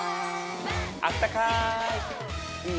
あったかい。